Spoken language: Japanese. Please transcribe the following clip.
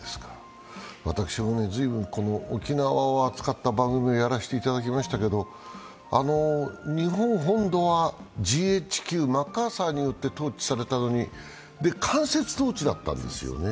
私も随分この沖縄を扱った番組をやらせていただきましたけど、日本本土はＧＨＱ・マッカーサーによって統治されたのに、間接統治だったんですよね。